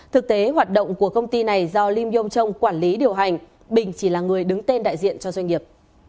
thực tế hoạt động của công ty này do lim yong chong quản lý điều hành bình chỉ là người đứng tên đại diện cho doanh nghiệp